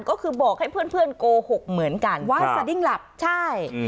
ก็คือบอกให้เพื่อนโกหกเหมือนกันว่าสดิ้งหลับใช่